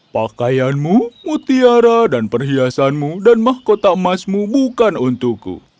pakaianmu mutiara dan perhiasanmu dan mahkota emasmu bukan untukku